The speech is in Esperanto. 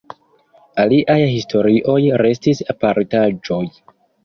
Aliaj historioj restis apartaĵoj.